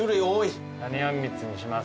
何あんみつにします？